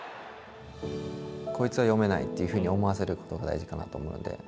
こいつは読めないというふうに思わせることが大事かなと思うので。